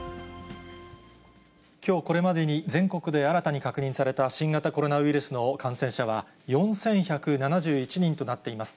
きょうこれまでに全国で新たに確認された新型コロナウイルスの感染者は、４１７１人となっています。